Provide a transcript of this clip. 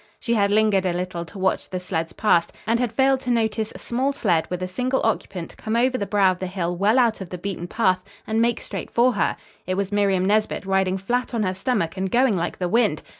She had lingered a little to watch the sleds pass, and had failed to notice a small sled with a single occupant come over the brow of the hill well out of the beaten path and make straight for her. It was Miriam Nesbit, riding flat on her stomach and going like the wind.